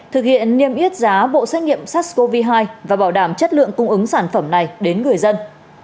thực hiện niêm yết giá bộ xét nghiệm sars cov hai và bảo đảm chất lượng cung ứng sản phẩm này đến người dân